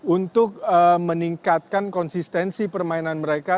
untuk meningkatkan konsistensi permainan mereka